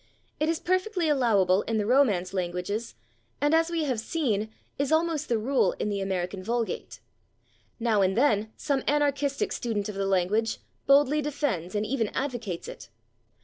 It is perfectly allowable in the Romance languages, and, as we have seen, is almost the rule in the American vulgate. Now and then some anarchistic student of the language boldly defends and even advocates it.